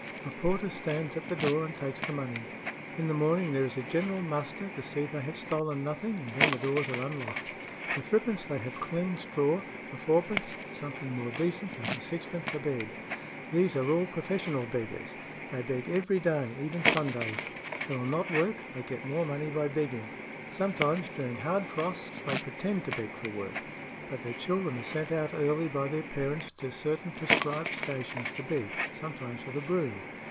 A porter stands at the door and takes the money. In the morning there is a general muster to see they have stolen nothing, and then the doors are unlocked. For threepence they have clean straw, for fourpence something more decent, and for sixpence a bed. These are all professional beggars; they beg every day, even Sundays. They will not work; they get more money by begging. Sometimes during hard frosts they pretend to beg for work; but their children are sent out early by their parents to certain prescribed stations to beg, sometimes with a broom.